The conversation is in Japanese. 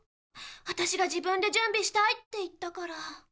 ワタシが自分で準備したいって言ったから。